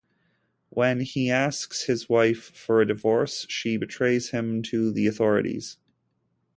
When he asks his wife for a divorce, she betrays him to the authorities.